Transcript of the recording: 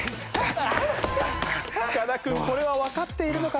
深田君これはわかっているのか？